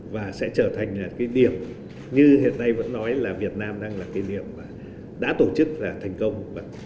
và sẽ trở thành cái điểm như hiện nay vẫn nói là việt nam đang là cái điểm đã tổ chức là thành công